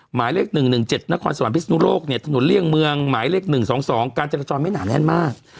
หมายเลข๑๑๗นครสมภิษณุโรคถนนเลี่ยงเมืองหมายเลข๑๒๒การเจรจรไม่หนาแน่นมาก